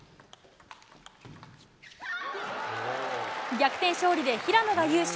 逆転勝利で平野が優勝。